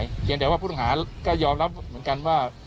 อย่างเดียวว่าผู้ต้องหาก็ยอมรับเหมือนกันว่า